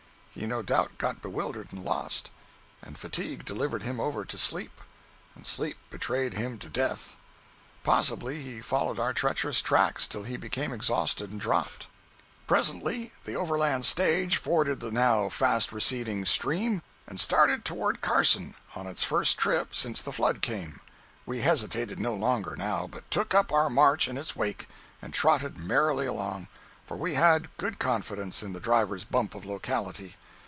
He no doubt got bewildered and lost, and Fatigue delivered him over to Sleep and Sleep betrayed him to Death. Possibly he followed our treacherous tracks till he became exhausted and dropped. 230.jpg (20K) Presently the Overland stage forded the now fast receding stream and started toward Carson on its first trip since the flood came. We hesitated no longer, now, but took up our march in its wake, and trotted merrily along, for we had good confidence in the driver's bump of locality.